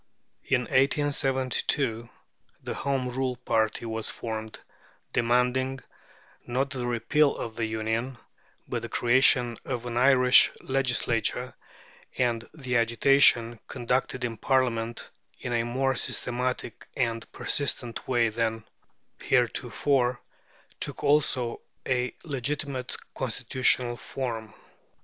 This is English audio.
In 1872 the Home Rule party was formed, demanding, not the Repeal of the Union, but the creation of an Irish Legislature, and the agitation, conducted in Parliament in a more systematic and persistent way than heretofore, took also a legitimate constitutional form.